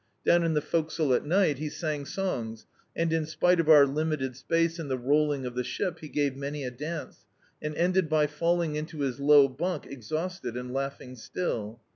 Down in the forecastle at nig^t he sang songs and, in spite of our limited space, and the rolling of the ship, he gave many a dance, and ended by falling into his low bunk exhausted, and laughing still.